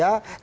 dan kita juga